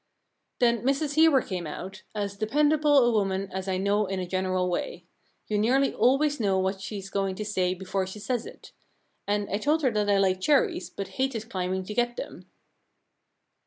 Then Mrs Hebor came out — as dependable a woman as I know in a general way ; you nearly always know what she is going to say before she says it — and I told her that I liked cherries, but hated climbing to get them.